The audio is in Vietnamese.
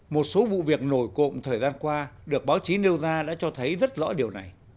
một số vụ việc nổi cộng thời gian qua được báo chí nêu ra đã cho thấy rất rõ điều này